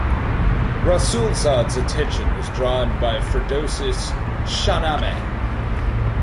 Rasulzades attention was drawn by Firdousis "Shahnameh".